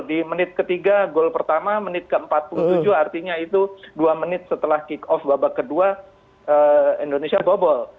di menit ketiga gol pertama menit ke empat puluh tujuh artinya itu dua menit setelah kick off babak kedua indonesia bobol